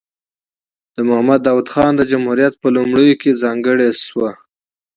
د محمد داود خان د جمهوریت په لومړیو کې ځانګړې شوه.